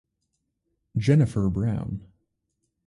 Jennifer Brown.